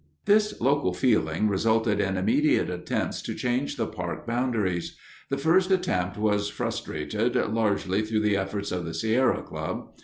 This local feeling resulted in immediate attempts to change the park boundaries. The first attempt was frustrated largely through the efforts of the Sierra Club.